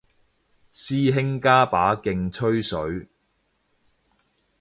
師兄加把勁吹水